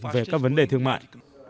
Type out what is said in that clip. về các vấn đề thương mại